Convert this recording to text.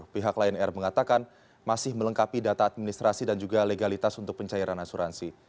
pihak lion air mengatakan masih melengkapi data administrasi dan juga legalitas untuk pencairan asuransi